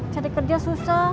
cari kerja susah